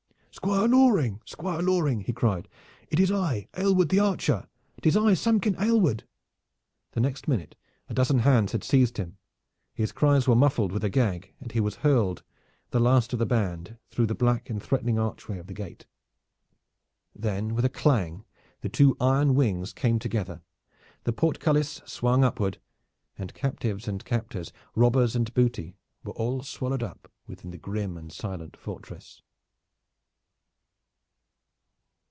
"Squire Loring! Squire Loring!" he cried. "It is I, Aylward the archer! It is I, Samkin Aylward!" The next minute a dozen hands had seized him, his cries were muffled with a gag, and he was hurled, the last of the band, through the black and threatening archway of the gate. Then with a clang the two iron wings came together, the portcullis swung upward, and captives and captors, robbers and booty, were all swallowed up within the grim and silent fortress.